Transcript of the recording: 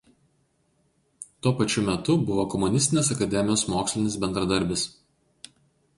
Tuo pačiu metu buvo komunistinės akademijos mokslinis bendradarbis.